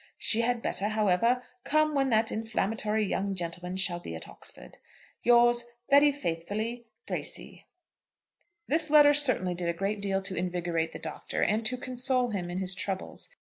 She had better, however, come when that inflammatory young gentleman shall be at Oxford. Yours very faithfully, "BRACY." This letter certainly did a great deal to invigorate the Doctor, and to console him in his troubles.